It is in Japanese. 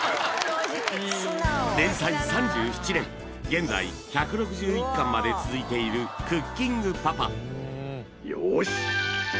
現在１６１巻まで続いている「クッキングパパ」よーし